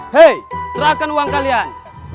hei serahkan uang kalian